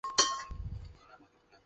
出身于兵库县。